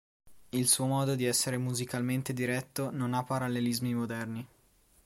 Il suo modo di essere musicalmente diretto non ha parallelismi moderni.